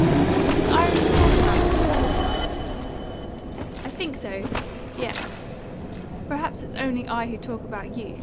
"Does Irene talk about me?" she asked. "I think so yes. Perhaps it's only I who talk about you.